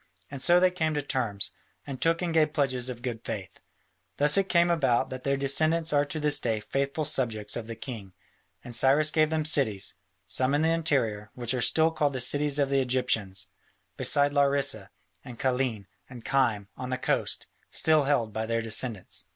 And so they came to terms, and took and gave pledges of good faith. Thus it came about that their descendants are to this day faithful subjects of the king, and Cyrus gave them cities, some in the interior, which are still called the cities of the Egyptians, beside Larissa and Kyllene and Kyme on the coast, still held by their descendants.